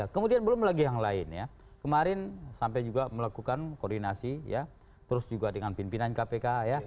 kemudian belum lagi yang lain ya kemarin sampai juga melakukan koordinasi ya terus juga dengan pimpinan kpk ya